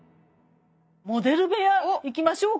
モデル部屋いきましょうか。